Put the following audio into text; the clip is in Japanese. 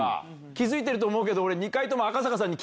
気付いてると思うけど。